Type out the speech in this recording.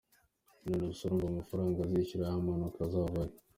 “None se urumva amafaranga azishyura iyo mpanuka azava hehe?